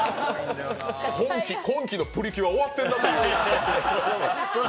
今季の「プリキュア」終わってるなっていう。